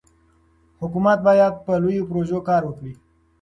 حکومت باید په لویو پروژو کار وکړي.